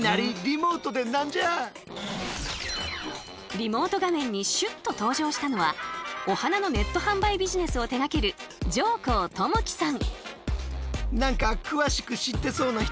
リモート画面にシュッと登場したのはお花のネット販売ビジネスを手がける上甲友規さん。